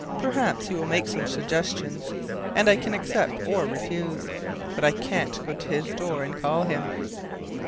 Perhaps he will make some suggestions, and I can accept or refuse. But I can't go to his door and call him."